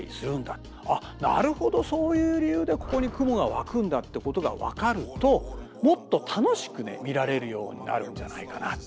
あっなるほどそういう理由でここに雲が湧くんだってことが分かるともっと楽しく見られるようになるんじゃないかな。